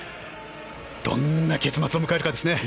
どんな結末を迎えるかですね。